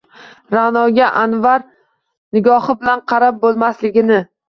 Ra’noga Anvvar nigohi bilan qarab bo’lmasligini